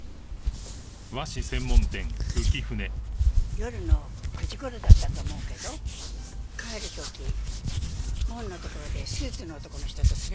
夜の９時頃だったと思うけど帰る時門のところでスーツの男の人とすれ違ったのよ。